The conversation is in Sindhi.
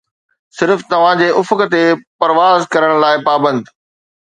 صرف توهان جي افق تي پرواز ڪرڻ لاء پابند